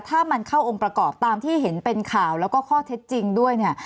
ถ้ามันเข้าองค์ประกอบตามที่เห็นเป็นข่าวแล้วก็ข้อเท็จจริงด้วยเนี่ย